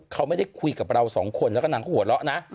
เขาไม่ได้คุยกับเราสองคนแล้วก็นางก็หัวเราะนะ